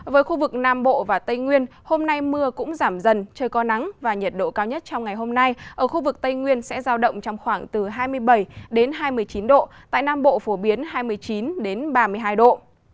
với khu vực nam bộ và tây nguyên hôm nay mưa cũng giảm dần trời có nắng và nhiệt độ cao nhất trong ngày hôm nay ở khu vực tây nguyên sẽ giao động trong khoảng từ hai mươi bảy hai mươi chín độ tại nam bộ phổ biến hai mươi chín ba mươi hai độ